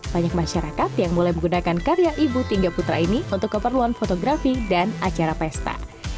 banyak masyarakat yang mulai menggunakan karya ibu tiga putra ini untuk keperluan fotografi dan acara pesta